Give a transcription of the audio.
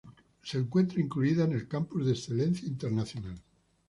Se encuentra incluida en el campus de excelencia internacional.